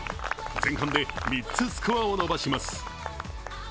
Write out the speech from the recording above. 前半で３つスコアを伸ばします。